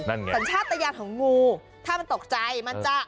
สัญชาติยานของงูถ้ามันตกใจมันจะ